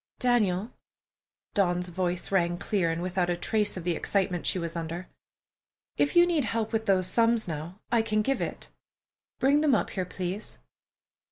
"Daniel"—Dawn's voice rang clear and without a trace of the excitement she was under—"if you need help with those sums now, I can give it. Bring them up here, please."